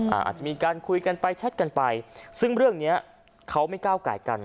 อาจจะมีการคุยกันไปแชทกันไปซึ่งเรื่องเนี้ยเขาไม่ก้าวไก่กัน